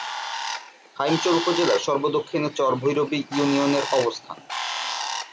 হাইমচর উপজেলার সর্ব-দক্ষিণে চর ভৈরবী ইউনিয়নের অবস্থান।